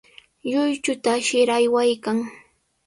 Lluychuta ashir aywaykan.